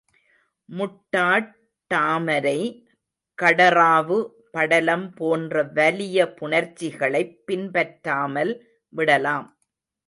முட்டாட்டாமரை, கடறாவு படலம் போன்ற வலிய புணர்ச்சிகளைப் பின்பற்றாமல் விடலாம்.